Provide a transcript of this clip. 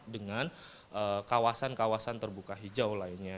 dengan kawasan kawasan terbuka hijau lainnya